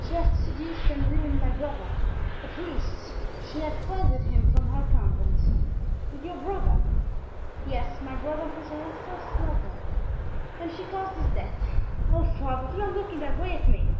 "She had seduced and ruined my brother, a priest. She had fled with him from her convent." "With your brother?" "Yes, my brother was her first lover, and she caused his death. Oh, father, do not look in that way at me!